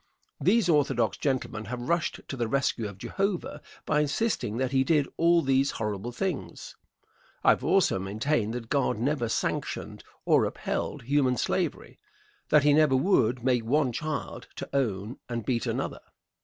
These orthodox gentlemen have rushed to the rescue of Jehovah by insisting that he did all these horrible things. I have also maintained that God never sanctioned or upheld human slavery; that he never would make one child to own and beat another.